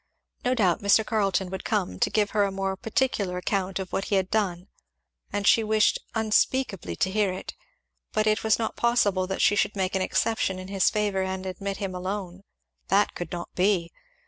No doubt Mr. Carleton would come, to give her a more particular account of what he had done, and she wished unspeakably to hear it; but it was not possible that she should make an exception in his favour and admit him alone. That could not be.